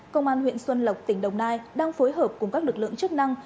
công an huyện xuân lộc tỉnh đồng nai đang phối hợp cùng các lực lượng chức năng